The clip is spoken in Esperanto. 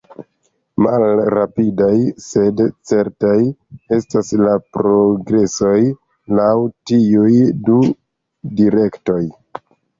Malrapidaj, sed certaj, estas la progresoj, laŭ tiuj du direktoj.